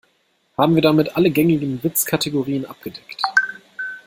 Haben wir damit alle gängigen Witzkategorien abgedeckt?